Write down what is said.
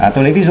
tôi lấy ví dụ